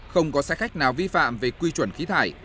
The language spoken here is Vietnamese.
không có xe khách nào vi phạm về quy chuẩn khí thải